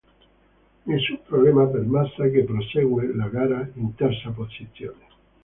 Nessun problema per Massa che prosegue la gara in terza posizione.